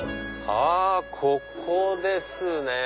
あここですね。